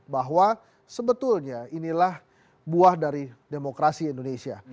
bahwa sebetulnya inilah buah dari demokrasi indonesia